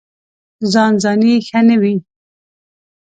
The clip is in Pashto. ځان ځاني ښه نه وي.